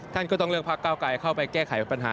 ท่านก็ต้องเลือกพักเก้าไกลเข้าไปแก้ไขปัญหา